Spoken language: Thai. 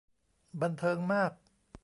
บันเทิงมาก